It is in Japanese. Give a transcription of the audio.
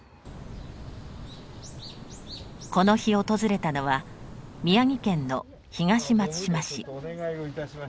この日訪れたのは宮城県の東松島市。